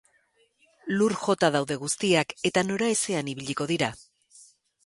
Lur jota daude guztiak, eta noraezean ibiliko dira.